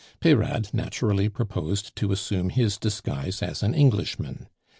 Peyrade naturally proposed to assume his disguise as an Englishman.